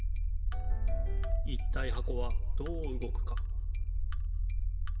いったいはこはどううごくか？